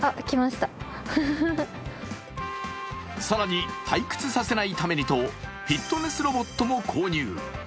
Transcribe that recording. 更に、退屈させないためにとフィットネスロボットも購入。